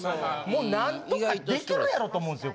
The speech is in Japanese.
もう何とかできるやろと思うんですよ